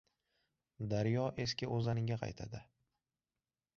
• Daryo eski o‘zaniga qaytadi.